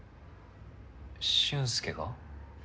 俊介が？